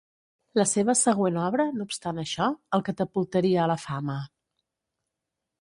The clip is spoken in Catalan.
La seva següent obra, no obstant això, el catapultaria a la fama.